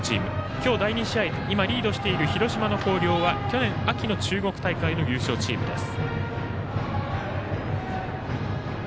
今日第２試合、今リードしている広島の広陵は去年、秋の中国大会の優勝チームです。